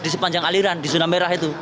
di sepanjang aliran di zona merah itu